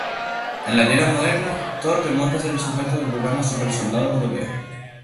En la Tierra moderna, Thor demuestra ser el sujeto del programa Supersoldado Europeo.